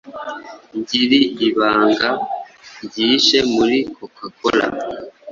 Ngiri ibanga ryihishe muri coca cola